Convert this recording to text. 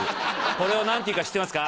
これを何ていうか知ってますか？